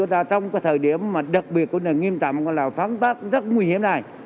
trong thời điểm đặc biệt nghiêm tạm phán tác rất nguy hiểm này